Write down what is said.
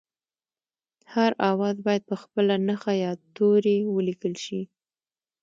هر آواز باید په خپله نښه یا توري ولیکل شي